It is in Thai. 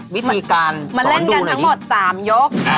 วิธีการมาเล่นกันทั้งหมด๓ยก